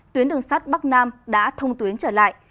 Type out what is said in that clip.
tuyến đường sắt bắc nam đã thông tuyến trở lại